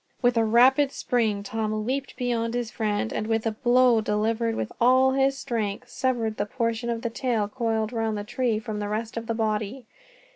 With a rapid spring Tom leaped beyond his friend, and with a blow, delivered with all his strength, severed the portion of the tail coiled round the tree from the rest of the body.